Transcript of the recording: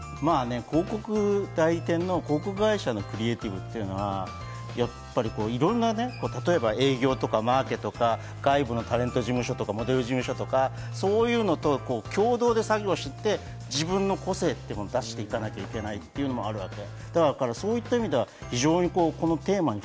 広告代理店の広告会社のクリエイティブというのはやっぱりいろんな、例えば営業とか、マーケとか、外部のタレント事務所とか、モデル事務所とか、そういうのと共同で作業して、自分の個性を出していかなければいかないわけ。